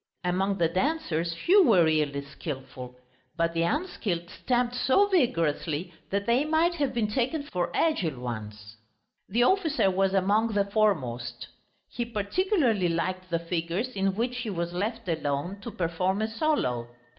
Among the dancers few were really skilful, but the unskilled stamped so vigorously that they might have been taken for agile ones. The officer was among the foremost; he particularly liked the figures in which he was left alone, to perform a solo.